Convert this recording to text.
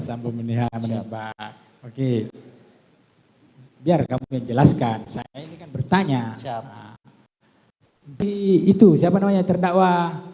sambung menembak menembak oke biar kamu menjelaskan saya bertanya siapa di itu siapa namanya terdakwa